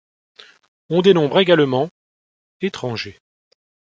On dénombre également étrangers.